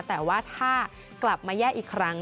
แต่ว่าถ้ากลับมาแยกอีกครั้ง